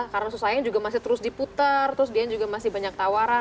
karena sus sayang juga masih terus diputar terus dian juga masih banyak tawaran